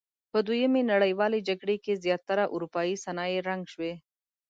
په دویمې نړیوالې جګړې کې زیاتره اورپایي صنایع رنګ شوي.